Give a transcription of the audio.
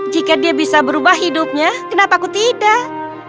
jika dia bisa berubah hidupnya kenapa aku tidak